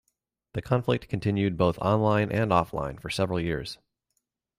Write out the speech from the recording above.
The conflict continued both online and offline for several years.